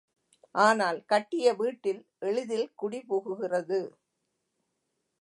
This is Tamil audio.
ஆனால் கட்டிய வீட்டில் எளிதில் குடி புகுகிறது.